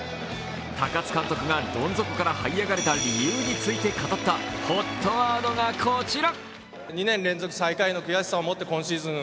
高津監督がどん底からはい上がれた理由について語ったＨＯＴワードがこちら。